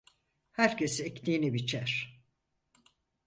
Herkes ektiğini biçer.